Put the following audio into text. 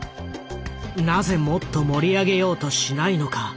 なぜもっと盛り上げようとしないのか？